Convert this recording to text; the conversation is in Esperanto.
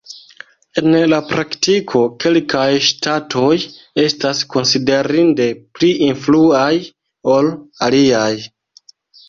En la praktiko, kelkaj ŝtatoj estas konsiderinde pli influaj ol aliaj.